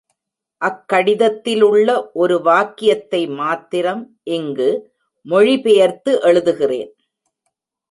அக் கடிதத்திலுள்ள ஒரு வாக்கியத்தை மாத்திரம் இங்கு மொழிபெயர்த்து எழுதுகிறேன்.